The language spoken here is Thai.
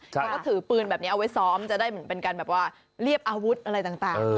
เขาก็ถือปืนแบบนี้เอาไว้ซ้อมจะได้เหมือนเป็นการแบบว่าเรียบอาวุธอะไรต่าง